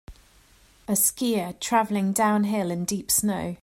A skier traveling downhill in deep snow.